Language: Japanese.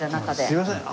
すいません。